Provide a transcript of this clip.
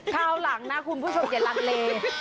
คราวหลังนะคุณผู้ชมอย่าลังเล